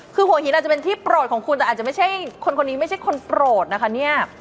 คือหัวหินอาจจะเป็นที่โปรดของคุณแต่อาจจะไม่ใช่คนคนนี้ไม่ใช่คนโปรดนะคะเนี่ย